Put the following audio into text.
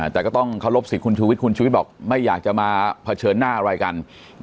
แต่ก็ต้องเคารพสิทธิคุณชูวิทยคุณชูวิทย์บอกไม่อยากจะมาเผชิญหน้าอะไรกัน